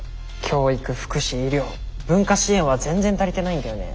教育福祉医療文化支援は全然足りてないんだよね。